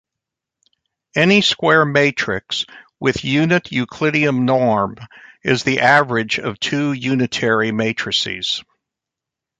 Any square matrix with unit Euclidean norm is the average of two unitary matrices.